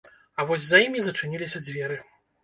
А вось за імі зачыніліся дзверы.